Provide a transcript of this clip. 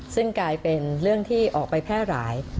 ซึ่งกลายเป็นเรื่องที่ออกไปแพร่หลาย